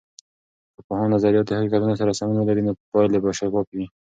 که د پوهاند نظریات د حقیقتونو سره سمون ولري، نو پایلې به شفافې وي.